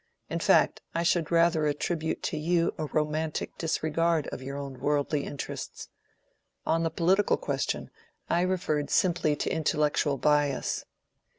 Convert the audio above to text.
In fact, I should rather attribute to you a romantic disregard of your own worldly interests. On the political question, I referred simply to intellectual bias."